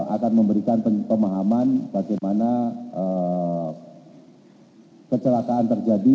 akan memberikan pemahaman bagaimana kecelakaan terjadi